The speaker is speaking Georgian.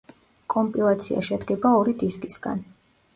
კომპილაცია შედგება ორი დისკისგან.